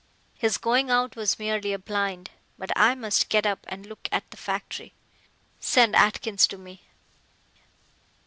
His going out was merely a blind. But I must get up and look at the factory. Send Atkins to me."